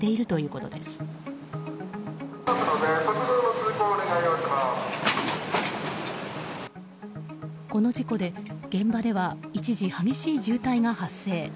この事故で現場では一時、激しい渋滞が発生。